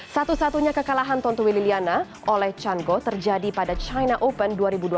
satu satunya kekalahan tontowi liliana oleh chango terjadi pada china open dua ribu dua puluh